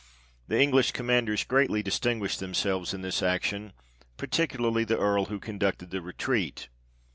The English commanders greatly distinguished them selves in this action, particularly the Earl who con ducted the retreat.